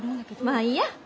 まあいいや。